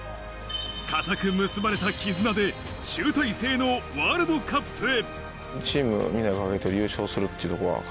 固く結ばれた絆で集大成のワールドカップへ。